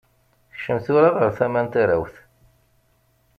Kcem tura ɣer tama n tarawt.